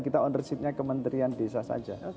kita ownershipnya kementerian desa saja